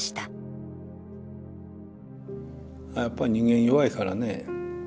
やっぱり人間弱いからね。